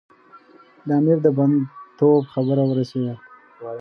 د امیر د بندي توب خبره ورسېده.